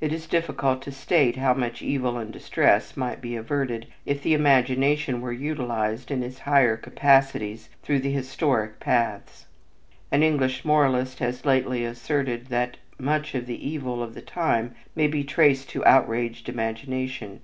It is difficult to state how much evil and distress might be averted if the imagination were utilized in its higher capacities through the historic paths. An English moralist has lately asserted that "much of the evil of the time may be traced to outraged imagination.